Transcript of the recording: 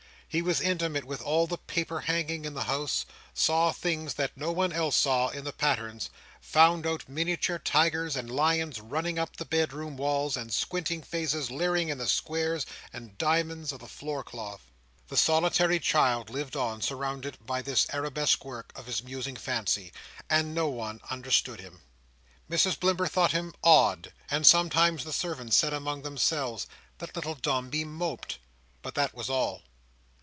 He was intimate with all the paperhanging in the house; saw things that no one else saw in the patterns; found out miniature tigers and lions running up the bedroom walls, and squinting faces leering in the squares and diamonds of the floor cloth. The solitary child lived on, surrounded by this arabesque work of his musing fancy, and no one understood him. Mrs Blimber thought him "odd," and sometimes the servants said among themselves that little Dombey "moped;" but that was all.